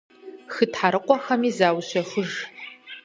Хы тхьэрыкъуэхэми заущэхуж.